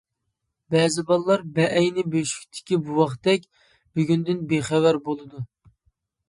بەزى بالىلار بەئەينى بۆشۈكتىكى بوۋاقتەك، بۈگۈندىن بىخەۋەر بولىدۇ.